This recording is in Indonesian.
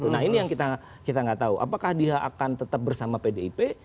nah ini yang kita nggak tahu apakah dia akan tetap bersama pdip